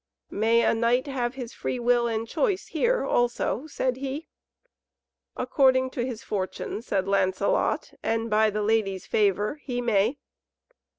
"May a knight have his free will and choice here also?" said he. "According to his fortune," said Lancelot, "and by the lady's favour, he may."